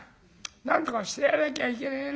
なんとかしてやらなきゃいけねえなあ。